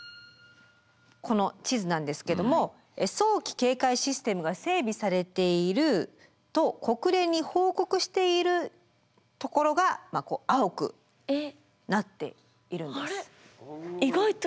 この地図なんですけども早期警戒システムが整備されていると国連に報告しているところが青くなっているんです。